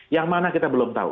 yang mana kita belum tahu